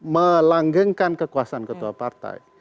melanggengkan kekuasaan ketua partai